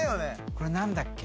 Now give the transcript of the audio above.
これ何だっけ